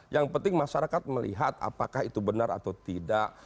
yang penting masyarakat melihat apakah itu benar atau tidak